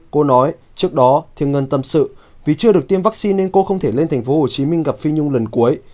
cô nói trước đó thiên ngân tâm sự vì chưa được tiêm vaccine nên cô không thể lên tp hcm gặp phi nhung lần cuối